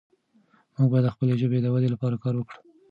موږ باید د خپلې ژبې د ودې لپاره کار وکړو.